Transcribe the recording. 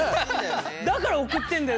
だから送ってんだよ。